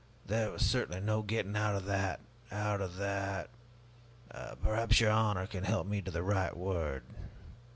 There was certainly no getting out of that out of that Perhaps your honor can help me to the right word?"